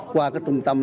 qua các trung tâm